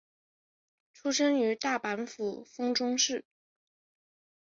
出身于大阪府丰中市。